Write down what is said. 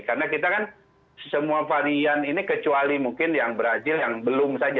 karena kita kan semua varian ini kecuali mungkin yang brazil yang belum saja